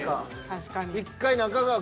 確かに。